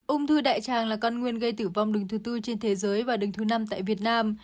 úng thư đại trang là con nguyên gây tử vong đừng thứ bốn trên thế giới và đừng thứ năm tại việt nam